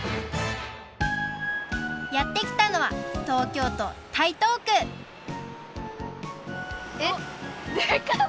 やってきたのはえっでかい！